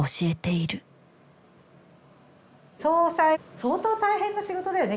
相当大変な仕事だよね。